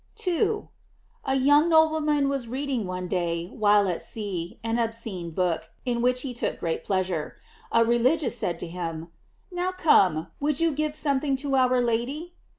* 2. — A young nobleman was reading one day, while at sea, an obscene book, in which he took great pleasure. A religious said to him: "Now come, would you give something to our Lady?"